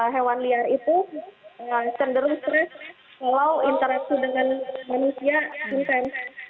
hewan liar itu cenderung stres kalau interaksi dengan manusia intens